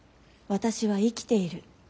私は生きている。